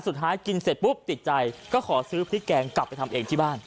สุดท้ายกินเสร็จปุ๊บติดใจก็ขอซื้อพริกแกงกลับไปทำเองที่บ้าน